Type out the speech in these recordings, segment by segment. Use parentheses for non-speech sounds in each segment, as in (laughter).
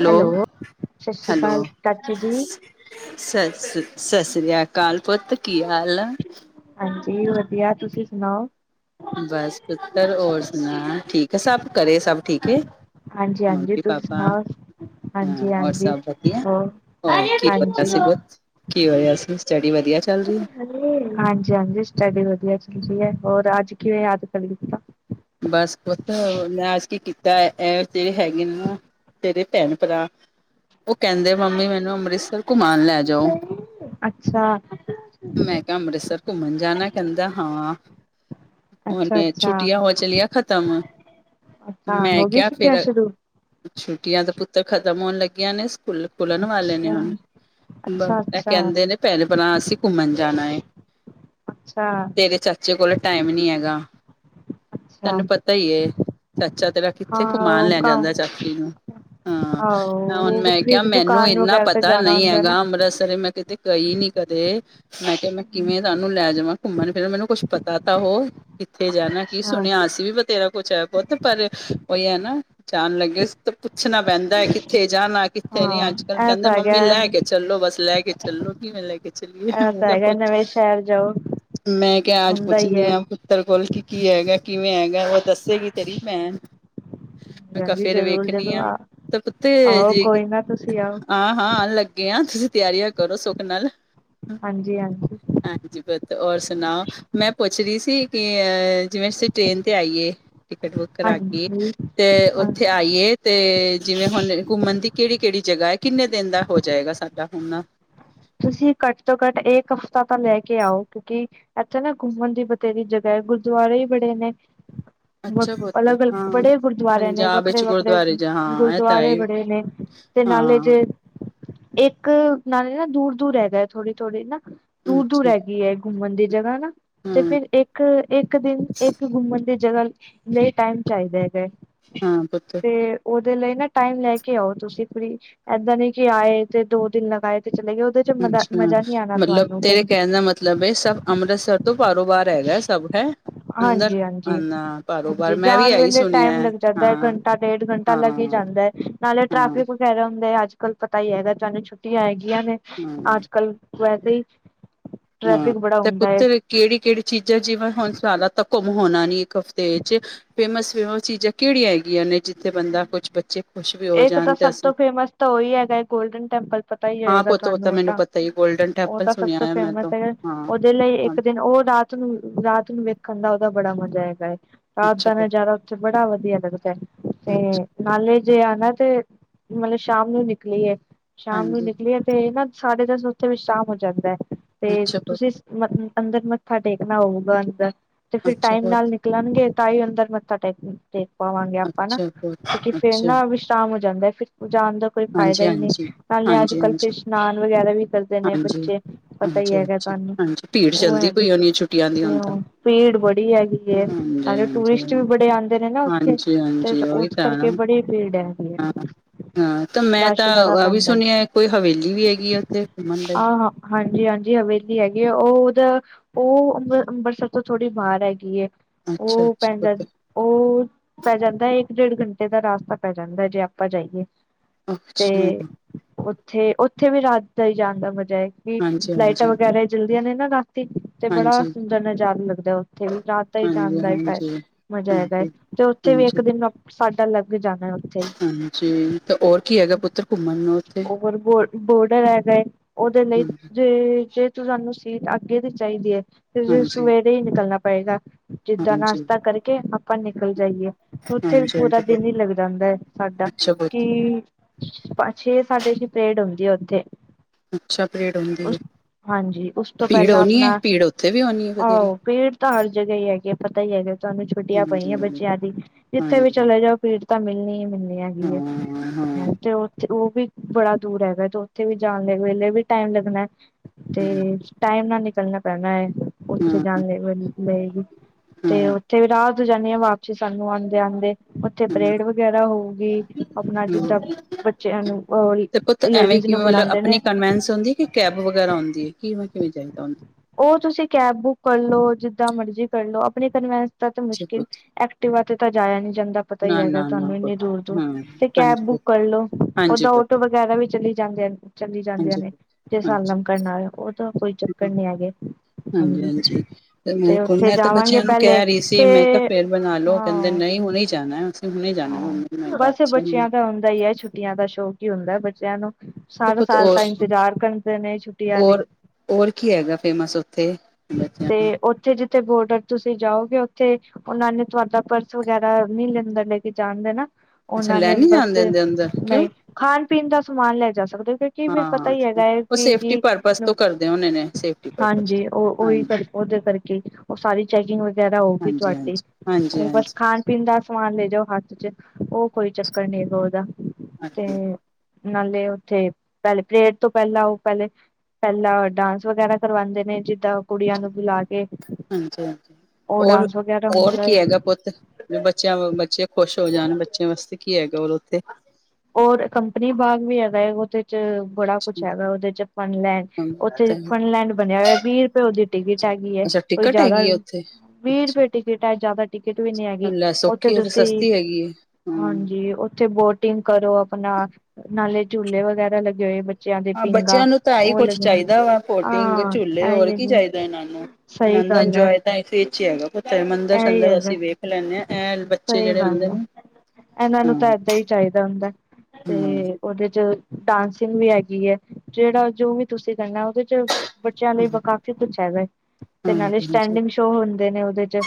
Hello, ਸਤਿ ਸ੍ਰੀ ਅਕਾਲ ਹੈਲੋ? ਚਾਚੂ ਜੀ, ਸ ਸ ਸਸ ਸ੍ਰੀਆਕਾਲ ਪੁੱਤ ਕੀ ਹਾਲ ਆ? ਹਾਂਜੀ ਵਧੀਆ ਤੁਸੀ ਸੁਣਾਓ? ਬਸ ਪੁੱਤਰ ਹੋਰ ਸੁਣਾ ਠੀਕ ਆ ਸਭ ਘਰੇ ਸਭ ਠੀਕ ਏ? ਹਾਂਜੀ-ਹਾਂਜੀ ਤੁਸੀ ਸੁਣਾਓ? ਹਾਂ ਹੋਰ ਹਾਂਜੀ-ਹਾਂਜੀ ਸਭ ਵਧੀਆ, ਹੋਰ ਹੋਰ ਕੀ ਪਤਾ ਹਾਂਜੀ। ਸੀਗਾ, ਕੀ ਹੋਯਾਸੀ? ਸਟਡੀ ਵਧੀਆ ਚੱਲ ਰਹੀ ਏ? ਹਾਂਜੀ-ਹਾਂਜੀ ਸਟੱਡੀ ਵਧੀਆ ਚੱਲ ਰਹੀ ਐ ਹੋਰ ਅੱਜ ਕਿਵੇਂ ਯਾਦ ਕਰ ਲੀਤਾ? ਬਸ ਪੁੱਤ ਮੈਂ ਅੱਜ ਕੀ ਕੀਤੈ ਇਹ ਜਿਹੜੇ ਹੈਗੇ ਨੇ ਨਾ ਤੇਰੇ ਭੈਣ-ਭਰਾ, ਓ ਕੈੰਦੇ ਮੰਮੀ ਮੈਨੂੰ ਅੰਮ੍ਰਿਤਸਰ ਘੁੰਮਾਣ ਲੈ ਜਾਓ। ਅੱਛਾ। ਮੈਂ ਕਿਆ ਅੰਮ੍ਰਿਤਸਰ ਘੁੰਮਨ ਜਾਨੈ ਕੈੰਦਾ, ਹਾਂ। ਹੁਨ ਅੱਛਾ-ਅੱਛਾ, ਅੱਛਾ ਛੁੱਟੀਆਂ ਹੋ ਚਲੀਆ ਖਤਮ, ਅੱਛਾ, ਮੈਂ ਹੋ ਗਈ ਕਿਆ ਫਿਰ ਛੁੱਟੀਆਂ ਸ਼ੁਰੂ? ਛੁੱਟੀਆਂ ਤਾ ਪੁੱਤ ਖ਼ਤਮ ਹੋਨ ਲੱਗੀਆਂ ਨੇ ਸਕੂਲ ਖੁੱਲਨ ਵਾਲੇ ਨੇ ਅੱਛਾ, ਹੁਨ। ਬਸ ਇਹ ਅੱਛਾ-ਅੱਛਾ, ਕੈੰਦੇ ਨੇ ਪਹਿਲ ਬਨਾ ਅਸੀਂ ਘੁੰਮਣ ਜਾਨਾ ਏ। ਅੱਛਾ! ਚੇ ਕੋਲੇ ਟੈਮ ਨੀ ਹੈਗਾ। ਤੈਨੂੰ ਪਤਾ ਈ ਏ, ਚਾਚਾ ਤੇਰਾ ਹਾਂ ਕਿਥੇ ਘੁੰਮਾਣ ਉਹ ਲੈ ਜਾਂਦੈ ਕੰਮ ਚਾਚੀ ਨੂੰ? ਹਾਂ, ਹੁਣ ਆਹੋ ਮੈਂ ਕਿਆ ਫਿਰ ਮੈਨੂੰ ਦੁਕਾਨ ਇੰਨਾ ਵਗੈਰਾ ਤੇ ਪਤਾ ਜਾਣਾ ਨਹੀਂ ਹੁੰਦਾ ਨਾ। ਹੈਗਾ ਅੰਮ੍ਰਿਤਸਰ ਮੈਂ ਕਿਤੇ ਗਈ ਨੀ ਕਦੇ, ਮੈਂ ਕਿਹਾ ਮੈਂ ਕਿਵੇਂ ਤੁਾਨੂੰ ਲੈ ਜਾਵਾਂ ਘੁੰਮਣ ਫਿਰਨ ਮੈਨੂੰ ਕੁੱਛ ਪਤਾ ਤਾਂ ਹੋ। ਕਿੱਥੇ ਜਾਨਾ ਕਿਸ ਅੱਛਾ ਅਸੀਂ ਵੀ ਬਥੇਰਾ ਕੁਛ ਹੈ ਪੁੱਤ ਪਰ, ਉਹੀ ਐ ਨਾ ਜਾਨ ਲੱਗੇ ਪੁੱਛਨਾ ਪੈਂਦਾ ਕਿੱਥੇ ਜਾਨਾ ਕਿੱਥੇ ਨਹੀਂ ਹਾਂ ਅੱਜਕੱਲ੍ਹ ਇਹ ਕਹਿੰਦੇ ਤਾਂ ਮੰਮੀ ਹੈਗਾ ਲੈ ਕੇ ਚੱਲੋ ਬਸ ਲੈ ਕੇ ਚੱਲੋ ਕਿਵੇਂ ਲੈ ਕੇ, ਚ ਇਹ ਮੈਂ ਤਾਂ ਕਿਹਾ ਹੈਗਾ ਪੁ ਨਵੇਂ ਸ਼ਹਿਰ ਜਾਓ ਮੈਂ ਕਿਆ ਆਜ ਹੁੰਦਾ ਹੀ ਪੁੱਛਣੀ ਹੈ ਹਾਂ (unintelligible) ਤੇਰੇ ਕੋਲ ਕੀ-ਕੀ ਹੈਗੈ ਕਿਵੇਂ ਹੈਗੈ ਉਹ ਦੱਸੇਗੀ ਭੈਨ। ਮੈਂ ਕਿਹਾ ਹਾਂਜੀ ਫੇਰ ਜ਼ਰੂਰ ਵੇਖਣੀ ਜਦੋਂ ਆ ਤੇ (unintelligible) ਆਓ ਜੀ ਕੋਈ ਨਾ ਤੁਸੀਂ ਆਓ ਹਾਂ ਹਾਂ ਲੱ ਗੇਂਆਂ ਤੁਸੀਂ ਤਿਆਰੀਆਂ ਕਰੋ ਸੁੱਖ ਨਾਲ। ਹਾਂਜੀ ਹਾਂਜੀ। ਹਾਂਜੀ ਪੁੱਤ ਹੋਰ ਸੁਣਾਓ ਮੈਂ ਪੁੱਛ ਰੀ ਸੀ ਕਿ ਅ ਜਿਵੇਂ ਸਿ ਟ੍ਰੇਨ ਤੇ ਆਈਏ ਟਿਕਟ ਕਰਾ ਕੇ ਹਾਂਜੀ ਤੇ ਉੱਥੇ ਹਾਂਜੀ ਆਈਏ ਤੇ ਜਿਵੇਂ ਹੁਨ ਘੁੰਮਨ ਦੀ ਕਿਹੜੀ ਕਿਹੜੀ ਜਗ੍ਹਾ ਹੈ ਕਿੰਨੇ ਦਿਨ ਦਾ ਹੋ ਜਾਏਗਾ ਸਾਡਾ ਘੁੰਮਨਾ ਤੁਸੀਂ ਘੱਟ ਤੋਂ ਘੱਟ ਏਕ ਹਫਤਾ ਤਾਂ ਲੈ ਕੇ ਆਓ। ਕਿਉਂਕਿ ਐਥੇ ਨਾ ਘੁੰਮਣ ਦੀ ਬਥੇਰੀ ਜਗ੍ਹਾ ਏ ਗੁਰਦੁਆਰੇ ਹੀ ਬੜੇ ਨੇ। ਹੂੰ! (unintelligible) ਵਖ ਅਲੱਗ ਅਲੱਗ ਬੜੇ ਗੁਰਦੁਆਰੇ ਨੇ ਪੰਜਾਬ ਵੱਖਰੇ ਵਿੱਚ ਵੱਖਰੇ ਗੁਰਦੁਆਰੇ ਜਾ ਹਾਂ ਇਹ ਤਾਂ ਹੈ ਗੁਰਦੁਆਰੇ ਹੀ। ਬੜੇ ਨੇ। ਤੇ ਨਾਲੇ ਹਾਂ ਜੇ ਏਕ ਨਾਲੇ ਨਾ ਦੂਰ ਦੂਰ ਹੈਗਾ ਥੋੜੀ ਥੋੜ੍ਹੀ ਨਾ ਦੂਰ ਦੂਰ ਅੱਛਾ ਐਗੀ ਐ। ਘੁੰਮਨ ਦੀ ਜਗ੍ਹਾ ਨਾ, ਤੇ ਫਿਰ ਹਾਂ-ਹਾਂ ਏਕ ਏਕ ਦਿਨ ਇੱਕ ਘੁੰਮਣ ਦੀ ਜਗ੍ਹਾ ਲਈ ਟਾਈਮ ਚਾਈਦਾ ਹੈਗੈ। ਪੁੱਤ ਤੇ ਓਦੇ ਲਈ ਨਾ ਟਾਈਮ ਲੈਕੇ ਆਓ ਤੁਸੀਂ ਫ੍ਰਰੀ, ਐਦਾਂ ਨਈਂ ਕਿ ਆਏ ਤੇ ਦੋ ਦਿਨ ਲਗਾਏ ਤੇ ਚਲੇ ਗਏ ਉਹਦੇ। ਚ ਮਜ਼ਾ ਅੱਛਾ ਮਜ਼ਾ ਨਹੀਂ ਆਉਣਾ ਮਤਲਬ ਤੁਹਾਨੂੰ ਫਿਰ ਤੇਰੇ ਕਹਿਣ ਦਾ ਮਤਲਬ ਹੈ ਸਭ ਅੰਮ੍ਰਿਤਸਰ ਤੋਂ ਬਾਰੋਬਾਰ ਹੈਗਾ ਸਭ ਅੰਦਰ ਆਨਾ ਪਾਰੋਬਾਰ ਹਾਂਜੀ-ਹਾਂਜੀ-ਹਾਂਜੀ ਮੈਂ ਵੀ ਜਾਣ ਇਹੀ ਵੇਲੇ ਸੁਣਿਆ ਟਾਈਮ ਹੈ ਲੱਗ ਜਾਂਦਾ ਹਾਂ, ਘੰਟਾ- ਡੇਢ ਘੰਟਾ ਹਾਂ। ਲੱਗ ਹੀ ਜਾਂਦਾ। ਨਾਲੇ ਹਾਂ, ਟ੍ਰੈਫਿਕ ਵਗੈਰਾ ਹੁੰਦਾ ਅੱਜ-ਕੱਲ੍ਹ ਪਤਾ ਹੀ ਹੈਗਾ ਚੇ ਛੁੱਟੀਆਂ ਹੈਗੀਆਂ ਨੇ ਹਾਂ, ਅੱਜ-ਕੱਲ੍ਹ ਵੈਸੇ ਵੀ ਉੱਥੇ ਹਾਂ ਟ੍ਰੈਫਿਕ ਬਹੁਤ ਤੇ ਹੁੰਦਾ ਏ। ਪੁੱਤਰ ਕਿਹੜੀ-ਕਿਹੜੀ ਚੀਜ਼ਾਂ ਜਿਵੇਂ ਹੁਣ ਸਾਰਾ ਤੇ ਘੁੰਮ ਹੋਣਾ ਨੀ ਇੱਕ ਹਫ਼ਤੇ ਚ ਉੱਥੇ ਕਿਹੜੀਆਂ-ਕਿਹੜੀਆਂ ਮਸ਼ਹੂਰ ਥਾਵਾਂ ਹਨ, ਜਿੱਥੇ ਬੰਦਾ ਬੱਚਿਆਂ ਨੂੰ ਘੁਮਾਉਣ ਲਈ ਲੈ ਜਾ ਸਕਦਾ ਹੈ? ਇਕ ਤਾਂ ਸਭ ਤੋਂ ਫੇਮਸ ਤਾਂ ਉਹੀ ਹੈਗਾ ਹੈ ਗੋਲਡਨ ਟੈਂਪਲ ਪਤਾ ਹੀ ਹਾਂ ਹੋਏਗਾ ਪੁੱਤ ਉਹ ਤੁਹਾਨੂੰ। ਤਾਂ ਉਹ ਮੈਨੂੰ ਪਤਾ ਈ ਏ ਗੋਲਡਨ ਟੈਂਪਲ ਸੁਣਿਆ ਮੈਂ ਤਾਂ ਉਸ ਲਈ ਇੱਕ ਦਿਨ ਉਹ ਰਾਤ ਨੂੰ-ਰਾਤ ਨੂੰ ਵੇਖਣ ਦਾ ਉਹਦਾ ਬੜਾ ਮਜ਼ਾ ਹੈਗਾ ਏ। ਰਾਤ ਅੱਛਾ ਦਾ ਪੁੱਤ ਨਜ਼ਾਰਾ ਉੱਥੇ ਬੜਾ ਵਧੀਆ ਲੱਗਦਾ ਤੇ ਨਾਲੇ ਜੇ ਆਣਾ ਤੇ ਮਤਲਬ ਸ਼ਾਮ ਨੂੰ ਨਿਕਲੀਏ ਸ਼ਾਮ ਨੂੰ ਹਾਂਜੀ ਨਿਕਲੀਏ ਤੇ ਨਾ ਸਾਢੇ ਦਸ ਉੱਥੇ ਉੱਥੇ ਵਿਸ਼ਰਾਮ ਹੋ ਜਾਂਦਾ ਹੈ ਤੇ ਅੱਛਾ ਪੁੱਤ, ਤੁਸੀ ਅੰਦਰ ਮੱਥਾ ਟੇਕਣਾ ਹੋਵੂਗਾ ਜਿਦਾ ਤੇ ਫਿਰ ਅੱਛਾ ਟਾਇਮ ਪੁੱਤ ਨਾਲ ਨਿਕਲਂਗੇ ਤਾਂ ਹੀ ਅੰਦਰ ਮੱਥਾ ਟੇਕ ਪਾਵਾਂਗੇ ਆਪਾਂ ਨਾ ਅੱਛਾ ਬਹੁਤ ਕਿਉਂਕਿ ਨਹੀਂ, ਅੱਛਾ ਫਿਰ ਵਿਸ਼ਰਾਮ ਹੋ ਜਾਂਦਾ ਐ। ਕਿਤੇ ਜਾਣ ਦਾ ਕੋਈ ਫਾਇਦਾ ਹਾਂਜੀ ਈ ਨਹੀਂ, ਹਾਂਜੀ ਨਾਲੇ ਹਾਂਜੀ ਹਾਂਜੀ ਅੱਜ-ਕੱਲ੍ਹ ਫਿਰ ਹਾਂਜੀ ਇਸ਼ਨਾਨ ਵਗੈਰਾ ਵੀ ਕਰਦੇ ਨੇ ਬੱਚੇ। ਹਾਂਜੀ ਪਤਾ ਹੀ ਹੈਗਾ ਹਾਂਜੀ ਤੁਹਾਨੂੰ, ਹਾਂਜੀ ਭੀੜ ਉਹ ਜਗ੍ਹਾ ਚੱਲਦੀ ਹੈ ਪਈ ਹੋਣੀ ਛੁੱਟੀਆਂ ਦੀ ਤੇ ਹੁਣ ਤਾਂ ਉੱਥੇ ਭੀੜ ਬੜੀ ਹੈਗੀ। ਹਾਂ ਜੀ, ਹਾਂਜੀ ਉੱਥੇ ਹਾਂਜੀ ਟੂਰਿਸਟ ਵੀ ਬੜੇ ਆਂਦੇ ਨੇ ਓੱਥੇ। ਹਾਂਜੀ ਉਸ ਕਰਕੇ ਉੱਥੇ ਬੜੀ ਭੀੜ ਹੈ। ਹਾਂ-ਹਾਂ ਤਾਂ ਮੈਂ ਰਸ਼ ਤਾਂ ਬੜਾ ਆ ਵੀ ਪੈਂਦਾ ਹੈ ਸੁਣਿਆ ਕੋਈ ਹਵੇਲੀ ਵੀ ਹੈਗੀ ਏ ਉੱਥੇ ਘੁੰਮਣ ਲਈ। ਹਾਂਜੀ-ਹਾਂਜੀ ਹਵੇਲੀ ਹੈਗੀ ਆ ਉਹ ਉਹਦਾ ਉਹ ਅੰਬਰਸਰ ਤੋਂ ਥੋੜੀ ਬਾਰ ਹੈਗੀ ਹੈ। ਅੱਛਾ ਉੱਥੇ ਅੱਛਾ ਪੈ ਪੁੱਤ ਜਾਂਦਾ-ਉਹ ਪੈ ਜਾਂਦਾ ਇੱਕ-ਡੇਢ ਘੰਟ ਇਹਦਾ ਰਾਸਤਾ ਪੈ ਜਾਂਦਾ ਏ ਜੇ ਆਪਾਂ ਜਾਈਏ ਤੇ ਅੱਛਾ ਉੱਥੇ ਉੱਥੇ ਵੀ ਰਾਤ ਦਾ ਹੀ ਜਾਣ ਦਾ ਮਜ਼ਾ ਹੈ ਕਿ ਹਾਂਜੀ ਹਾਂਜੀ ਲਾਈਟਾਂ ਹਾਂਜੀ ਵਗੈਰਾ ਜਿਲਦੀਆਂ ਨੇ ਨਾ ਰਾਤੀ ਤੇ ਬੜਾ ਹਾਂਜੀ ਸੁੰਦਰ ਨਜ਼ਾਰਾ ਲੱਗਦਾ ਉੱਥੇ ਵੀ ਰਾਤ ਦਾ ਹੀ ਹਾਂਜੀ ਜਾਣਦਾ ਫੈ ਹਾਂਜੀ ਮਜ਼ਾ ਹੈਗਾ ਹੈ ਹਾਂਜੀ ਤੇ ਉੱਥੇ ਵੀ ਇੱਕ ਦਿਨ ਸਾਡਾ ਲੱਗ ਜਾਣਾ ਏ ਹਾਂਜੀ, ਹੋਰ ਕੀ ਹੈਗਾ ਪੁੱਤ ਘੁੰਮਣ ਨੂੰ ਉੱਥੇ? ਹੋਰ ਬੋਰਡਰ ਹੈਗਾ ਏ ਉਹਦੇ ਲਈ ਹੂੰ, ਜੇ ਸਾਨੂੰ ਸੀਟ ਅੱਗੇ ਦੀ ਚਾਹੀਦੀ ਹੈ, ਤੇ ਤੁਹਾਨੂੰ ਹਾਂਜੀ ਸਵੇਰੇ ਹੀ ਨਿਕਲਣਾ ਪਵੇਗਾ। ਜਿਦਾਂ ਹਾਂਜੀ ਨਾਸ਼ਤਾ ਕਰਕੇ ਆਪਾਂ ਨਿਕਲ ਜਾਈਏ ਤੇ ਉੱਥੇ ਹਾਂਜੀ ਪੂਰਾ ਹਾਂਜੀ ਪੁੱਤ ਦਿਨ ਹੀ ਲੱਗ ਜਾਂਦਾ ਹੈ ਸਾਡਾ ਅੱਛਾ ਪੁੱਤ ਕਿ ਛੇ-ਸਾਡੇ ਛੇ ਪਰੇਡ ਹੁੰਦੀ ਐ ਉੱਥੇ। ਅੱਛਾ ਭੀੜ ਹੁੰਦੀ ਹੈ ਹਾਂਜੀ, ਉਸ ਤੋਂ ਭੀੜ ਪਹਿਲਾਂ ਹੋਣੀ ਹੈ ਆਪਣਾ ਭੀੜ ਉੱਥੇ ਵੀ ਹੋਣੀ ਹੈ ਬਥੇਰੀ ਆਹ ਫੇਰ ਤਾਂ ਹਰ ਜਗ੍ਹਾ ਹੀ ਹੈਗੀ ਏ, ਪਤਾ ਹੀ ਹੈਗਾ ਤੁਹਾਨੂੰ, ਛੁੱਟੀਆਂ ਪਈਆਂ ਹਾਂਜੀ ਬਚਿਆਂ ਦੀ, ਇਸ ਕਰਕੇ ਜਿੱਥੇ ਵੀ ਹਾਂਜੀ ਚਲੇ ਭੀੜ ਤਾਂ ਮਿਲਣੀ ਹੀ ਮਿਲਣੀ ਹਾਂ ਹੈਗੀ ਹੈ ਹਾਂ ਹਾਂ ਤੇ ਉ ਤੇ ਉਹ ਵੀ ਬੜਾ ਦੂਰ ਹੈਗਾ, ਤੇ ਉੱਥੇ ਵੀ ਜਾਣ ਦੇ ਵੇਲੇ ਵੀ ਟਾਇਮ ਲੱਗਣਾ। ਟਾਈਮ ਨਾਲ ਨਿਕਲਣਾ ਪੈਣਾ ਹੈ ਉੱਥੇ ਹਾਂ ਜਾਣ ਲਈ ਲਏਗੀ ਤੇ ਹਮ ਤੇ ਵੀ ਰਾਤ ਹੋ ਜਾਂਦੀ ਹਾਂ ਵਾਪਸੀ ਸਾਨੂੰ ਆਂਦੇ-ਆਂਦੇ। ਉੱਥੇ ਹਮ ਪਰੇਡ ਵਗੈਰਾ ਹੋਊਗੀ ਆਪਣਾ ਜਿੱਦਾਂ ਬੱਚਿਆਂ ਨੂੰ ਉਹ ਤੇ ਪੁੱਤ ਐਵੇਂ ਕਿਵੇਂ? ਮਤਲਬ ਉੱਥੇ ਅਪਣੀ ਕਨਵੈਂਸ ਹੁੰਦੀ ਏ ਯਾਂ ਕੈਬ ਵਗੈਰਾ ਹੁੰਦੀ ਏ ਕਿਵੇਂ ਜਾਈ ਦਾ ਹੁੰਦਾ? ਉਹ ਤੁਸੀਂ ਕੈਬ ਬੁੱਕ ਕਰ ਲੋ ਜਿੱਦਾਂ ਮਰਜ਼ੀ ਕਰ ਲੋ ਆਪਣੀ ਕਨਵੈਂਸ ਦਾ ਅੱਛਾ ਮੁਸ਼ਕਿਲ ਪੁੱਤ ਐਕ ਟਿਵਾ ਤੇ ਜਾਇਆ ਨੀ ਜਾਂਦਾ। ਪਤਾ ਹੀ ਨਾ ਹੈਗਾ ਨਾ ਨਾ ਤੁਹਾਨੂੰ, ਇੰਨੀ ਪੁੱਤ ਦੂਰ ਜਾਣ ਹਾਂ ਤੇ ਕੈਬ ਹਾਂਜੀ ਪੁੱਤ ਬੁੱਕ ਕਰ ਲਓ। ਨਹੀਂ ਹਾਂਜੀ ਤਾਂ ਆਟੋ ਪੁੱਤ ਵਗੈਰਾ ਵੀ ਚਲੇ ਹੀ ਜਾਂਦੇ ਹਨ। ਚੱਲੀ ਜਾਂਦੀਆਂ ਹਾਂਜੀ ਨੇ ਤੇ ਪੁੱਤ ਹਾਂਜੀ ਸਾਲਮ ਕਰਨਾ ਹੈਗਾ ਉਹ ਤਾਂ ਕੋਈ ਚੱਕਰ ਨੀ ਹੈਗੇ। ਹਾਂਜੀ ਹਾਂਜੀ-ਹਾਂਜੀ। ਤੇ ਉੱਥੇ ਮੈਂ ਤਾਂ ਜਾਵਾਂਗੇ ਬੱਚਿਆਂ ਨੂੰ ਪਹਿਲੇ ਕਹਿ ਰਹੀ ਸੀ ਕਿ ਤੇ ਮੈਂ ਕਿਹਾ ਫੇਰ ਬਣਾ ਲਓ, ਉਹ ਕਹਿੰਦੇ ਹਾਂ ਨੇ ਕਿ ਹੁਣੇ ਹੀ ਜਾਣਾ ਅਸੀ ਹੁਣੇ ਹੀ ਜਾਣਾ ਮੈਂ ਕਿਹਾ ਅੱਛਾ ਜੀ। ਉਹ ਤਾਂ ਹੁੰਦਾ ਹੀ ਹੈ ਛੁ ਨਿਆਂ ਦਾ ਸ਼ੌਕ ਹੀ ਹੁੰਦਾ ਏ ਬੱਚਿਆਂ ਨੂੰ ਤੇ ਸਾਰਾ ਪੁੱਤ ਸਾਲ ਉਹ ਦਾ ਇੰਤਜ਼ਾਰ ਕਰਦੇ ਨੇ ਛੁੱਟੀਆਂ ਲਈ ਹੋਰ ਕੀ ਹੈਗਾ ਫੇਮਸ ਉੱਥੇ? ਬੱਚਿਆਂ ਤੇ ਨੂੰ ਉੱਥੇ ਜਿੱਥੇ ਬੋਰਡਰ ਤੁਸੀਂ ਜਾਓਗੇ ਉੱਥੇ ਉਹਨਾਂ ਨੇ ਤੁਹਾਡਾ ਪਰਸ ਵਗੈਰਾ ਨਹੀਂ (unintelligible) ਲੈ ਕੇ ਜਾਣ ਦੇਨਾ। ਅੱਛਾ ਉਹਨਾਂ ਲੈ ਨੇ ਨੀ ਬਸ ਜਾਣ ਦਿੰਦੇ ਅੰਦਰ ਕਿਉਂ ਨਹੀਂ ਖਾਣ ਪੀਣ ਦਾ ਸਮਾਨ ਲੈ ਜਾ ਸਕਦੇ ਹੋ ਕਿ ਕੀ ਫਿਰ ਪਤਾ ਹਾਂ ਹੀ ਹੈਗਾ ਹੈ ਉਹ ਕਿ ਸੇਫਟੀ ਜੀ ਪਰਪਜ਼ ਤੋਂ ਕਰਦੇ ਹੋਣੇ ਨੇ ਸੇਫਟੀ ਪਰਪਜ਼ ਹਾਂਜੀ ਉਹ ਤੋਂ ਉਹੀ ਹਾਂਜੀ ਕਰ ਉਹਦੇ ਕਰਕੇ ਉਹ ਸਾਰੀ ਚੈਕਿੰਗ ਵਗੈਰਾ ਹੋਗੀ ਹਾਂਜੀ ਹਾਂਜੀ ਤੁਹਾਡੇ ਹਾਂਜੀ ਉਹ ਬਸ ਹਾਂਜੀ ਖਾਣ-ਪੀਣ ਦਾ ਸਮਾਨ ਹੱਥ ਵਿੱਚ ਲੈ ਜਾਓ ਹੱਥ 'ਚ ਉਹ ਕੋਈ ਚੱਕਰ ਨਹੀਂ ਉਹਦਾ ਤੇ ਹਾਂਜੀ ਨਾਲੇ ਉਥੇ ਪਹਿਲੇ ਪਰੇਡ ਤੋਂ ਪਹਿਲਾਂ ਉਹ ਪਹਿਲੇ ਪਹਿਲਾਂ ਡਾਂਸ ਵਗੈਰਾ ਕਰਵਾਉਂਦੇ ਨੇ ਜਿਦਾ ਹਾਂਜੀ-ਹਾਂਜੀ ਉਹ ਹੋਰ ਡਾਂਸ ਵਗੈਰਾ ਹੋਰ ਹੁੰਦਾ ਹੈ ਕੀ ਹੈਗਾ ਪੁੱਤ ਬੱਚਿਆਂ ਬੱਚੇ ਖੁਸ਼ ਹੋ ਜਾਣ ਬੱਚਿਆਂ ਵਾਸਤੇ ਕੀ ਹੈਗਾ ਹੋਰ ਉਥੇ ਔਰ ਕੰਪਨੀ ਬਾਗ ਵੀ ਹੈਗਾ ਏ ਓਦੇ -ਚ ਬੜਾ ਕੁਛ ਹੈਗਾ ਉਹਦੇ 'ਚ ਫਨਲੈਂਡ ਉੱਥੇ ਫਨਲੈਂਡ ਬਣਿਆ ਹੋਇਆ ਵੀਹ ਰੁਪਏ ਉਹਦੀ ਟਿਕਟ ਹੈਗੀ ਹੈ। ਅੱਛਾ ਕੋਈ ਟਿਕਟ ਜਾਦਾ ਹੈਗੀ ਆ ਉੱਥੇ ਵੀਹ ਅੱਛਾ ਰੁਪਏ ਟਿਕਟ ਐ ਜਾਦਾ ਟਿਕਟ ਵੀ ਨੀ ਹੈਗੀ ਲੈ ਓਥੇ ਸੌਖੀ ਹੈ ਤੇ ਤੁਸੀਂ ਸਸਤੀ ਹੈਗੀ ਹੈ ਹਮ ਹਾਂਜੀ ਉਥੇ ਬੋਟਿੰਗ ਕਰੋ ਆਪਣਾ ਨਾਲੇ ਝੂਲੇ ਵਗੈਰਾ ਲੱਗੇ ਹੋਏ ਬੱਚ ਬੱਚਿਆਂ ਦੇ ਹਾਂ ਪੀਘਾਂ ਬੱਚਿਆਂ ਨੂੰ ਤਾਂ ਹੀ ਉਹ ਕੁਛ ਲਗਿਆ ਚਾਹੀਦਾ ਵਾ ਕੋਟਿੰਗ ਝੂਲੇ ਹਾਂ ਹੋਰ ਇਹੀ ਕੀ ਹੈਗੀਆਂ। ਚਾਹੀਦਾ ਇਹਨਾਂ ਨੂੰ ਇਹਨਾਂ ਸਹੀ ਦਾ ਗੱਲ ਐ। ਇੰਜੋਏ ਤਾਂ ਏਸੇ ਵਿੱਚ ਈ ਹੈਗਾ ਪਤਾ ਮੰਦਰ ਸੰਦਰ ਅਸੀਂ ਵੇਖ ਲੈਂਨੇ ਆ ਐ ਬੱਚੇ ਸਹੀ ਜਿਹੜੇ ਹੁੰਦੇ ਗੱਲ ਹੈ ਨੇ। ਇਹਨਾਂ ਨੂੰ ਤਾਂ ਏਦਾਂ ਈ ਚਾਹੀਦਾ ਹੁੰਦਾ। ਤੇ ਹੂੰ ਉਹਦੇ 'ਚ ਡਾਂਸਿੰਗ ਵੀ ਹੈਗੀ ਹੈ ਜਿਹੜਾ ਜੋ ਵੀ ਤੁਸੀਂ ਕਰਨਾ ਉਹਦੇ 'ਚ ਬੱਚਿਆਂ ਲਈ ਵ ਕਾਫ਼ੀ ਕੁਛ ਹੈਗਾ ਤੇ ਨਾਲੇ ਹਾਂਜੀ ਹਾਂਜੀ ਸਟੈਂਡਿੰਗ ਸ਼ੋਅ ਹੁੰਦੇ ਨੇ ਉਹਦੇ 'ਚ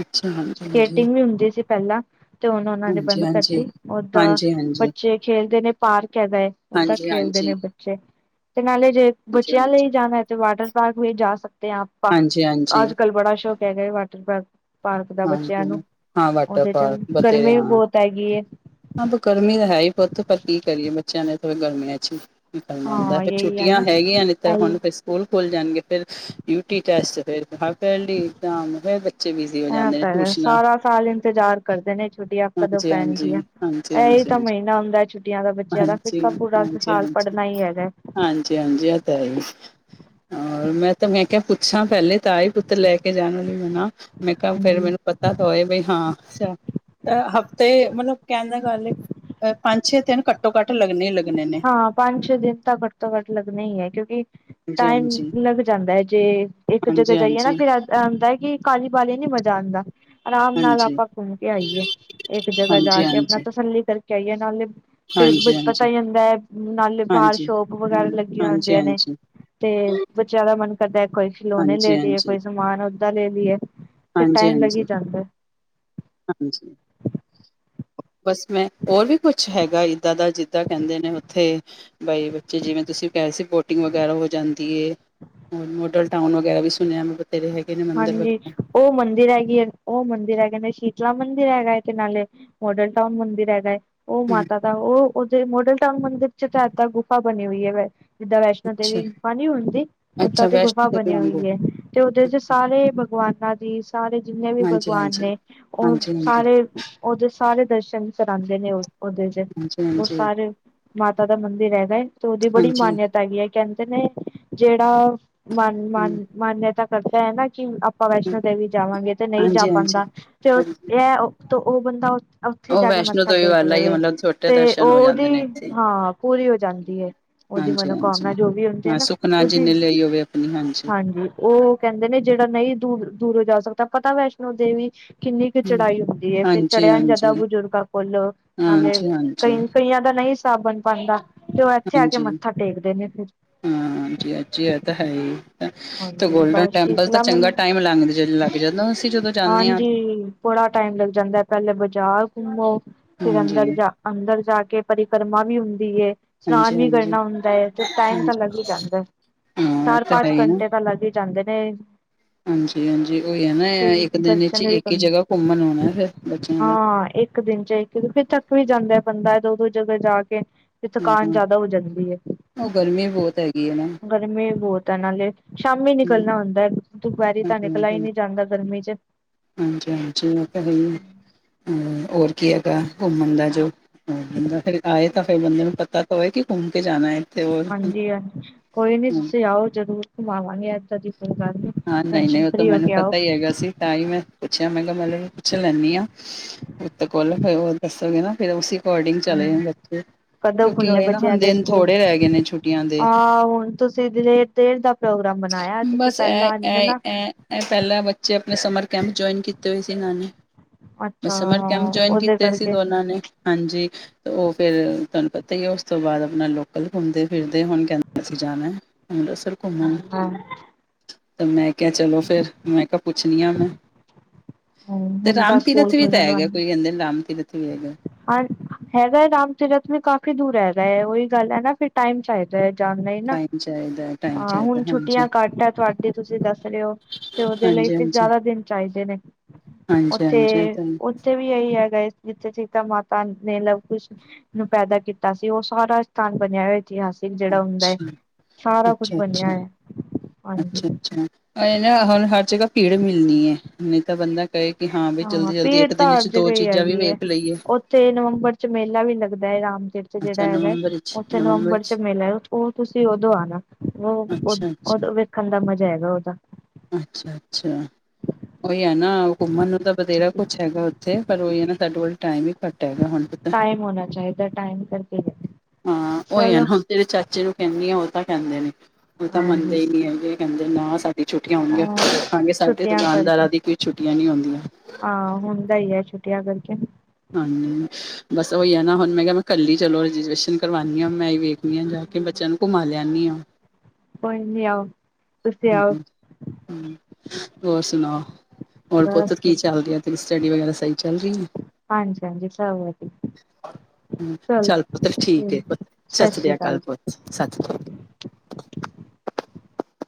ਅੱਛਾ ਹਾਂਜੀ ਸਕੇਟਿੰਗ ਵੀ ਹੁੰਦੀ ਸੀ ਪਹਿਲਾਂ ਤੇ ਹੁਨ ਉਹਨਾਂ ਨੇ ਬੰਦ ਹਾਂਜੀ ਕਰਤੀ ਓਦਾਂ ਹਾਂਜੀ ਬੱਚੇ ਖੇਲਦੇ ਨੇ ਪਾਰਕ ਹੈਗਾ ਐ ਓਦਾਂ ਹਾਂਜੀ ਹਾਂਜੀ ਹਾਂਜੀ ਖੇਲਦੇ ਨੇ ਹਾਂਜੀ ਬੱਚੇ ਤੇ ਨਾਲੇ ਜੇ ਬੱਚਿਆ ਹਾਂਜੀ ਲਈ ਜਾਣਾ ਹੈ ਤੇ ਵਾਟਰ ਪਾਰਕ ਵੀ ਜਾ ਸਕਦੇ ਹ ਆਪਾਂ ਹਾਂਜੀ ਹਾਂਜੀ ਹਾਂਜੀ ਅੱਜ ਕੱਲ ਬੜਾ ਸ਼ੌਕ ਹੈਗਾ ਵਾਟਰ ਪਾਰਕ ਪਾਰਕ ਦਾ ਬੱਚਿਆਂ ਹਾਂਜੀ ਨੂੰ ਹਾਂ ਵਾਟਰ ਉਹਦੇ ਚ ਪਾਰਕ ਬਥੇਰੇ ਗਰਮੀ ਵੀ ਆ ਬਹੁਤ ਹੈਗੀ ਹੈ ਹਾਂ ਗਰਮੀ ਤਾਂ ਹੈ ਈ ਪੁੱਤ ਪਰ ਕੀ ਕਰੀਏ ਬੱਚਿਆਂ ਨੇ ਗਰਮੀਆਂ 'ਚ ਈ ਨਿਕਲਣਾ ਹੁੰਦਾ ਹਾਂ ਫੇਰ ਯਹੀ ਹੈ ਛੁੱਟੀਆਂ ਨਾ ਹੈਗੀਆਂ ਨੇ ਤਾਂ ਇਹੀ ਹੁਣ ਫ ਸਕੂਲ ਖੋਲ ਜਾਣਗੇ ਫਿਰ ਯੂ ਟੀ ਟੈਸਟ ਫਿਰ ਆਫ਼ ਯੈਰਲੀ ਇਗਜਾਮ ਫਿਰ ਬੱਚੇ ਵੀ ਐ ਤਾ ਹੈਗਾ ਸਾਰਾ ਸਾਲ ਇੰਤਜ਼ਾਰ ਕਰਦੇ ਨੇ ਛੁੱਟੀਆਂ ਕਦੋਂ ਹਾਂਜੀ ਹਾਂਜੀ ਪੈਣਗੀਆਂ। ਹਾਂਜੀ ਐਈ ਹਾਂਜੀ ਤਾਂ ਹਾਂਜੀ ਮਹੀਨਾ ਹੁੰਦਾ ਛੁੱਟੀਆਂ ਦਾ ਬੱਚਿਆਂ ਦਾ ਫਿਰ ਹਾਂਜੀ ਤਾਂ ਪੂਰਾ ਸਾਲ ਪੜ੍ਹਨਾ ਹੀ ਹੈਗਾ। ਹਾਂਜੀ-ਹਾਂਜੀ ਐ ਤਾਂ ਹੈ ਈ। ਔਰ ਮੈਂ ਤਾਂ ਮੈਂ ਕਿਹਾ ਪੁੱਛਾਂ ਪਹਿਲੇ ਤਾਂ ਆਹੀ ਪੁੱਤਰ ਲੈ ਕੇ ਜਾਣੀ ਵਲੀ ਬਨਾ। ਮੈਂ ਕਿਹਾ ਫਿਰ ਹਾਂਜੀ ਮੈਨੂੰ ਪਤਾ ਤਾਂ ਹੋਏ ਬਈ ਹਾਂ ਛਾ ਅ ਹਫ਼ਤੇ ਮਤਲਬ ਕਹਿੰਦੇ ਗੱਲ ਅ ਪੰਜ ਛੇ ਦਿਨ ਕੱਟ ਘੱਟੋ ਘੱਟ ਲੱਗਣੇ ਹੀ ਲੱਗਣੇ ਨੇ। ਹਾਂ ਪੰਜ ਛੇ ਦਿਨ ਤਾਂ ਘੱਟੋ ਘੱਟ ਲੱਗਣੇ ਹੀ ਹੈ ਕਿਉਂਕਿ ਹਾਂਜੀ ਟਾਈਮ ਹਾਂਜੀ ਲੱਗ ਜਾਂਦਾ ਹੈ ਜੇ ਇੱਕ ਜਗ੍ਹਾ ਹਾਂਜੀ ਜਾਈਏ ਨਾ ਹਾਂਜੀ ਫਿਰ ਅ ਆਂਦਾ ਕਿ ਕਾਹਲੀ ਵਾਲੀ ਨੀ ਮਜ਼ਾ ਆਂਦਾ। ਆਰਾਮ ਨਾਲ ਹਾਂਜੀ ਆਪਾਂ ਘੁੰਮ ਕੇ ਆਈਏ ਇੱਕ ਜਗ੍ਹਾ ਜਾ ਹਾਂਜੀ ਕੇ ਆਪਣਾ ਹਾਂਜੀ ਤਸੱਲੀ ਕਰਕੇ ਆਈਏ ਨਾਲੇ ਫਿਰ ਬ ਹਾਂਜੀ ਹਾਂਜੀ ਪਤਾ ਈ ਹੁੰਦੈ ਨਾਲੇ ਬਾਰ ਹਾਂਜੀ ਹਾਂਜੀ ਸ਼ੋਪ ਵਗੈਰਾ ਲੱਗੀਆਂ ਹੁੰਦੀਆਂ ਨੇ। ਹਾਂਜੀ ਤੇ ਬੱਚਿਆਂ ਦਾ ਮਨ ਕਰਦਾ ਕੋਈ ਖਿਲੋਣੇ ਹਾਂਜੀ ਲੈ ਲਈਏ ਕੋਈ ਸਮਾਨ ਉਦਾਂ ਲੈ ਲਈਏ। ਫਿਰ ਟਾਈਮ ਲੱਗ ਹੀ ਜਾਂਦਾ। ਹਾਂਜੀ-ਹਾਂਜੀ-ਹਾਂਜੀ ਬਸ ਮੈਂ ਹੋਰ ਵੀ ਕੁਛ ਹੈਗਾ ਇੱਦਾਂ ਦਾ ਜਿੱਦਾਂ ਕਹਿੰਦੇ ਨੇ ਉਥੇ ਬਾਈ ਬੱਚੇ ਜਿਵੇਂ ਤੁਸੀਂ ਕਹਿਹੇ ਸੀ ਬੋਟਿੰਗ ਵਗੈਰਾ ਹੋ ਜਾਂਦੀ ਏ। ਔਰ ਮੋਡਲ ਟਾਊਨ ਵਗੈਰਾ ਵੀ ਸੁਣਿਆ ਬਥੇਰੇ ਹੈਗੇ। ਨੇ ਮੰਦਿਰ ਹਾਂਜੀ ਵਗੈਰਾ ਓ ਮੰਦਿਰ ਹੈਗੀ ਐ ਓ ਮੰਦਿਰ ਹੈਗੇ ਨੇ ਸ਼ੀਤਲਾ ਮੰਦਿਰ ਹੈਗਾ ਤੇ ਨਾਲੇ ਮੋਡਲ ਟਾਊਨ ਮੰਦਿਰ ਹੈਗਾ ਏ। ਉਹ ਹਮ ਮਾਤਾ ਦਾ ਉਹ ਉਹਦੇ ਮੋਡਲ ਟਾਊਨ ਮੰਦਿਰ 'ਚ ਇਦਾਂ ਗੁਫਾ ਬਣੀ ਹੋਈ ਹੈ ਵ ਜਿੱਦਾਂ ਵੈਸ਼ਨੋ ਦੇਵੀ ਅੱਛਾ ਗੁਫਾ ਨੀ ਹੁੰਦੀ ਉਦਾਂ ਅੱਛਾ ਦੀ ਵੈਸ਼ਨੋ ਗੁਫਾ ਦੇਵੀ ਬਣੀ ਵਾਂਗੂ ਹੋਈ ਹੈ ਤੇ ਉਦੇ 'ਚ ਸਾਰੇ ਭਗਵਾਨਾਂ ਦੀ, ਸਾਰੇ ਜਿੰਨੇ ਵੀ ਹਾਂਜੀ ਭਗਵਾਨ ਹਾਂਜੀ ਨੇ ਉਹ ਹਾਂਜੀ ਹਾਂਜੀ ਸਾਰੇ ਉਹਦੇ ਸਾਰੇ ਦਰਸ਼ਨ ਕਰਾਉਂਦੇ ਨੇ ਉਹ, ਓਦੇ ਚ ਹਾਂਜੀ ਉਹਰ ਹਾਂਜੀ ਸਾਰੇ ਮਾਤਾ ਦਾ ਮੰਦਿਰ ਹੈਗਾ ਐ ਤੇ, ਉਹਦੀ ਬੜੀ ਹਾਂਜੀ ਮਾਨਯਤਾ ਹੈਗੀ ਏ ਕਹਿੰਦੇ ਨੇ ਜਿਹੜਾ ਮ ਹਮ, ਮ ਮਾਨਤਾ ਕਰਤਾ ਹੈ ਨਾ ਕਿ (unintelligible) ਅਪਾ ਹਮ, ਵੈਸ਼ਨੋ ਦੇਵੀ ਜਾਵਾਂਗੇ ਤੇ ਨਈ ਜਾ ਹਾਂਜੀ ਹਾਂਜੀ ਪਾਂਦਾ, ਤੇ ਹਾਂਜੀ ਇਹ ਤੋ ਉਹ ਬੰਦਾ ਉੱਥੇ ਉਹ ਜਾ ਕੇ ਵੈਸ਼ਨੋ ਮੱਥਾ ਦੇਵੀ ਟੇਕ ਵਾਲਾ ਹੀ ਲਵੇ, ਮਤਲਬ ਛੋਟੇ ਤੇ ਉਹ ਦਰਸ਼ਨ ਹੋ ਜਾਂਦੇ ਉਹਦੀ ਨੇ ਇੱਥੇ ਹਾਂ ਪੂਰੀ ਹੋ ਜਾਂਦੀ ਹੈ- ਉਹਦੀ ਹਾਂਜੀ ਹਾਂਜੀ ਮਨੋਕਾਮਨਾ ਜੋ ਵੀ ਹੁੰਦੀ ਹੈ, ਹਾਂ ਨਾ ਸੁਖਨਾ ਉਹਦੀ ਜਿੰਨੇ ਲਈ ਹੋਵੇ ਆਪਣੀ ਹਾਂਜੀ, ਓ ਕੈਂਦੇ ਨੇ ਜੇੜਾ ਨਈ ਦੂਰ ਦੂਰੋਂ ਜਾ ਸਕਦਾ, ਪਤਾ ਵੈਸ਼ਨੋ ਦੇਵੀ ਕਿੰਨੀ ਕੁ ਚੜਾਈ ਹੁੰਦੀ ਏ, ਫੇਰ ਹਾਂਜੀ ਹਾਂਜੀ ਚੜ੍ਹਿਆ ਨੀ ਜਾਂਦਾ ਹਾਂਜੀ ਬਜ਼ੁਰਗਾਂ ਕੋਲ ਨਾਲੇ। ਹਾਂਜੀ ਕਈ ਹਾਂਜੀ ਕਈਆਂ ਦਾ ਨਈ ਹਿਸਾਬ ਬਣ ਪਾਂਦਾ, ਤੇ ਉਹ ਐਥੇ ਆ ਕੇ ਮੱਥਾ ਟੇਕਦੇ ਨੇ। ਫ (unintelligible) ਹਾਂ ਜੀ, ਅੱਛੀ ਐ ਤਾਂ ਹੈ ਈ ਤੇ ਹਾਂਜੀ ਗੋਲਡਨ ਬਸ ਟੈਂਪਲ ਤਾਂ ਸ਼ੀਤਲਾ ਮੰ ਚੰਗਾ ਟਾਈਮ ਲੰਗ ਲੱਗ ਜਾਂਦਾ, ਅਸੀਂ ਜਦੋਂ ਜਾਂਨੇ ਅਤ। ਹਾਂਜੀ ਬੜਾ ਟਾਈਮ ਲੱਗ ਜਾਂਦਾ, ਪਹਿਲਲੇ ਬਾਜ਼ਾਰ ਘੁੰਮੋ ਫਿਰ ਹਾਂਜੀ ਅੰਦਰ ਜਾ ਅੰਦਰ ਜਾ ਕੇ ਪਰਿਕਰਮਾ ਵੀ ਹੁੰਦੀ ਇਸ਼ਨਾਨ ਹਾਂਜੀ ਵੀ ਹਾਂਜੀ ਕਰਨਾ ਹੁੰਦਾ ਐ ਤੇ ਟਾਈਮ ਤਾਂ ਹਾਂਜੀ ਲੱਗ ਈ ਜਾਂਦਾ, ਹਾਂ ਇਹ ਚਾਰ ਤਾਂ ਹੈ ਪਾਂਚ ਹੀ ਨਾ ਘੰਟੇ ਤਾਂ ਲੱਗ ਈ ਜਾਂਦੇ ਨੇ। ਹਾਂਜੀ ਹਾਂਜੀ, ਹੋ ਹੈ ਨਾ ਫਿਰ ਇੱਕ ਦਿਨ ਵਿੱਚ ਦਰਸ਼ਨ ਵੀ ਇੱਕ ਹੀ ਜਗ੍ਹਾ ਘੁੰਮਣ ਆਉਣਾ, ਫਿਰ ਬੱਚਿਆਂ ਦਾ ਹਾਂ ਇੱਕ ਦਿਨ ਚ ਇਕ ਏ, ਕਿਉਂਕੀ ਫਿਰ ਥਕ ਵੀ ਜਾਂਦੈ ਬੰਦਾ ਦੋ-ਦੋ ਜਗ੍ਹਾ ਜਾ ਕੇ। ਤੇ ਹਾਂ ਥਕਾਨ ਹਾਂ, ਜਾਦਾ ਹੋ ਜਾਂਦੀ ਏ। ਉਹ ਗਰਮੀ ਬਹੁਤ ਹੈਗੀ ਹੈ ਨਾ ਗਰਮੀ ਬਹੁਤ ਹੈ ਨਾਲੇ, ਸ਼ਾਮੀ ਨਿਕਲਣਾ ਹੁੰਦਾ ਦੁਪਹਿਰੀ ਤਾਂ ਨਿਕਲਾ ਹੀ ਨਹੀਂੀ ਜਾਂਦਾ ਗਰਮੀ ਚ ਹਾਂਜੀ-ਹਾਂਜੀ ਓ ਤਾਂ ਹੈ ਈ, ਹੋਰ ਕੀ ਹੈਗਾ ਘੁੰਮਣ ਦਾ ਜੋ? ਹੋ ਬੰਦਾ ਫਿਰ ਆਏ ਤਾਂ ਫਿਰ ਬੰਦੇ ਨੂੰ ਪਤਾ ਤਾਂ ਹੋਏ, ਕਿ ਘੁੰਮ ਕੇ ਜਾਣਾ ਹੈ ਇੱਥੇ ਹੋਰ ਹਾਂਜੀ-ਹਾਂਜੀ ਕੋਈ ਨੀ ਹਮ, ਤੁਸੀਂ ਆਓ ਜਰੂਰ ਘੁਮਾਵਾਂਗੇ, ਏਦਾਂ ਦੀ ਕੋਈ ਗੱਲ ਨੀ। ਹਾਂ ਨਈ-ਨਈ ਟੈਸ਼ਨ ਉਹ ਤਾਂ ਫਰੀ ਹੋ ਮੈਨੂੰ ਕੇ ਆਓ ਪਤਾ ਈ ਹੈਗਾ ਸੀ, ਤਾਂ ਈ ਮੈਂ ਪੁੱਛਿਆ ਮੈਂ ਕਿਹਾ ਪੈ ਲੇ ਮੈ ਪੁੱਛ ਲੈਂਨੀ ਆ। ਤ ਕੋਲ ਫੇਰ ਉਹ ਦੱਸੋਗੇ, ਨਾ ਫਿਰ ਉਸ ਅਕੋਰਡਿੰਗ ਚਲੇ ਜਾ ਹਾਂ, ਬੱਚੇ ਕਦੋਂ ਕਿਉਂਕਿ ਉਹ ਖੁੱਲਣੇ ਇਹ ਨਾ ਬੱਚਿਆਂ ਹੁਣ ਦੇ ਦਿਨ ਸਕੂਲ, ਥੋੜੇ ਰਹਿ ਗਏ ਨੇ ਛੁੱਟੀਆਂ ਦੇ ਆਹ ਹੁਣ ਤੁਸੀਂ ਦੇਰ ਦੇਰ ਤ ਪ੍ਰੋਗਰਾਮ ਬਨਾਇਆ, ਤੁਸੀਂ ਬਸ ਪੈਲਾਂ ਇਹ ਆਂਦੇ ਇਹ ਨਾ। ਇਹ ਇਹ ਪਹਿਲਾਂ ਬੱਚੇ ਆਪਣੇ ਸਮਰ ਕੈਂਪ ਜੁਆਇਨ ਕੀਤੇ ਹੋਏ ਸੀ, ਇਹਨਾ ਨੇ ਬ ਅੱਛਾ ਸਮਰ ਹਾਂ ਕੈਂਪ ਜੁਆਇਨ ਉਹਦੇ ਕੀਤੇ ਸੀ ਕਰਕੇ ਦੋਨਾਂ ਨੇ, ਹਾਂਜੀ ਤੇ ਉਹ ਫੇਿਰ ਤੁਹਾਨੂੰ ਪਤਾ ਹੀ ਉਸ ਤੋਂ ਬਾਅਦ ਆਪਣਾ ਲੋਕਲ ਘੁੰਮਦੇ ਫਿਰਦੇ, ਹੁਣ ਕਹਿੰਦੇ ਅਸੀਂ ਜਾਣਾ ਹੰ ਸਰ (unintelligible) ਹਾਂ-ਹਾਂ ਤੇ ਮੈਂ ਕਿਆ ਚਲੋ ਫਿਰ, ਮੈਂ ਕਾ ਪੁੱਛਨੀ ਆ ਮੈਂ। ਤੇ ਹੁਣ ਰਾਮ ਤਾਂ ਸਕੂਲ ਤੀਰਥ ਵੀ ਤਾਂ ਖੁੱਲਣ ਹੈਗਾ ਵਾਲੇ ਕੋਈ ਕੈਂਦੇ ਰਾਮ ਤੀਰਥ ਵੀ ਹੈਗਾ। ਹਾਂ ਹੈਗਾ ਰਾਮ ਤੀਰਥ ਵੀ, ਕਾਫ਼ੀ ਦੂਰ ਹੈਹਿਗਾ ਹੈ ਉਹੀ ਗੱਲ ਹੈ ਨਾ ਫਿਰ ਟਾਈਮ ਚਾਹੀਦਾ ਹੈ ਜਾਣ ਲਈ ਨਾ, ਟਾਈਮ ਚਾਹੀਦਾ ਟਾਈਮ ਹ ਚਾਹੀਦਾ ਹੁਣ ਹਾਂਜੀ ਛੁੱਟੀਆਂ ਘੱਟ ਹੈ ਤੁਹਾਡੇ ਤੁਸੀਂ ਦੱਸ ਰਹੇ ਹੋ ਤੇ ਓਦੇ ਲਈ ਹਾਂਜੀ ਫਿਰ ਹਾਂਜੀ ਜਾਦਾ ਦਿਨ ਚਾਈਦੇ ਨੇ, ਹਾਂਜੀ ਹਾਂਜੀ ਓਥੇ-ਓਥੇ ਵੀ ਵੀ ਇਹੀ ਹੈਗਾ, ਇਸ ਵਿੱਚ ਿਤਾ ਮਾਤਾ ਨੇ ਲਵ ਕੁਸ਼ ਨੂੰ ਪੈਦਾ ਕੀਤਾ ਸੀ, ਉਹ ਸਾਰਾ ਸਥਾਨ ਬਣਿਆ ਹੋਇਆ ਇਤਿਹਾਸ ਜਿਹੜਾ ਹੁੰਦਾ ਹੈ ਅੱਛਾ ਸਾਰਾ ਕੁਛ ਅੱਛਾ ਬਣਿਆ ਅੱਛਾ ਹੈ ਅੱਛਾ ਅੱਛਾ, ਇਹ ਨਾ ਹੁਣ ਹਰ ਜਗ੍ਹਾ ਭੀੜ ਮਿਲਣੀ ਹੈ ਨਹੀਂ ਤਾਂ ਬੰਦਾ ਕਏ ਕੀ ਹਾਂ, ਵੀ ਜਲਦੀ-ਜਲਦੀ ਇੱਕ ਦਿਨ ਚ ਦੋ ਚੀਜ਼ਾਂ ਵੀ ਵੇਖ ਲਈਏ। ਤੇ ਨਵੰਬਰ ਚ ਮੇਲਾ ਵੀ ਲੱਗਦਾ ਐ ਰਾਮਤੀਰਥ ਚ ਜੇੜਾ ਅੱਛਾ ਹੈਗਾ ਏ। ਨਵੰਬਰ ਵਿੱਚ ਉੱਥੇ ਨਵੰਬਰ ਚ ਵਿੱਚ ਮੇਲਾ, ਉਹ ਤੁਸੀਂ ਉਦੋਂ ਆਉਣਾ ਅੱਛਾ ਅੱਛਾ ਦੇਖਣ ਦਾ ਮਜਾ ਹੈਗਾ ਉਹਦਾ ਅੱਛਾ ਅੱਛਾ, ਉਹੀ ਹੈ ਨਾ ਘੁੰਮਣ ਨੂੰ ਤਾਂ ਵਧੇਰਾ ਕੁਛ ਹੈਗਾ ਤੇ ਪਰ ਓਹੀ ਐ ਨਾ ਸਾਡੇ ਕੋਲ ਟਾਈਮ ਈ ਘੱਟ ਹੈਗਾ ਹੁਣ। ਪਤਾ ਟਾਈਮ ਹੋਣਾ ਚਾਈਦਾ ਟਾਈਮ ਕਰਕੇ, ਹਾਂ ਉਹੀ ਹੈ ਚਲੋ। ਨਾ ਹੁਣ ਤੇਰੇ ਚਾਚੇ ਨੂੰ ਕਹਿੰਦੀ ਆ ਉਹ ਤਾਂ ਕਹਿੰਦੇ ਨੇ, ਉਹ ਤਾਂ ਹਾਂਜੀ ਮੰਨਦੇ ਹੀ ਨੀ ਹੈਗੇ, ਕਹਿੰਦੇ ਨਾ ਸਾਡੀ ਛੁੱਟੀਆਂ ਹੋਣਗੀਆ, ਹਾਂ ਦੇਖਾਂਗੇ ਸਾਡੇ ਛੁੱਟੀਆਂ ਕਰਕੇ ਦੁਕਾਨਦਾਰਾਂ ਦੀ ਕੋਈ ਛੁੱਟੀਆਂ ਨੀ ਹੁੰਦੀਆਂ। ਹਾਂ ਹੁੰਦਾ ਈ ਐ ਛੁੱਟੀਆਂ ਕਰਕੇ। ਹਾਂਜੀ। ਬਸ ਉਹੀ ਆ ਨਾ ਹੁਣ ਮੈਂ ਕਿਹਾ ਮੈਂ ਕੱਲੀ ਚਲੋ ਰਜਰਵੇਸ਼ਨ ਕਰਵਾਉਂਣੀ ਹਾਂ ਮੈਂ ਹੀ ਵੇਖਦੀ ਹਾਂ ਜਾ ਕੇ ਬੱਚਿਆਂ ਨੂੰ ਘੁੰਮਾ ਲਿਆਉਦੀ ਹਾਂ ਕੋਈ ਨ ਆਓ ਤੁਸੀਂ ਹੂੰ ਆਓ -ਹੂੰ, ਹੋਰ ਸੁਣਾਓ, ਹੋਰ ਪੁੱਤ ਬਸ ਕੀ ਚੱਲ ਰਿਹਾ ਤੇਰੀ ਸਟੱਡੀ ਵਗੈਰਾ ਸਹੀ ਚੱਲ ਰਹੀ ਐ? ਹਾਂਜੀ- ਹਾਂਜੀ ਸਭ ਵਧੀਆ ਹਮ ਚੱਲ ਪੁੱਤਰ ਠੀਕ ਏ, ਪੁਤ ਸਤਿ ਸ੍ਰੀ ਅਕਾਲ, ਪੁਤ ਸਤਿ ਸ੍ਰੀ ਅਕਾਲ।